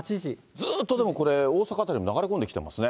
ずーっと、でもこれ、大阪辺りに流れ込んでますね、